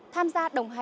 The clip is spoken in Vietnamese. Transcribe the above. tham gia đồng nghiệp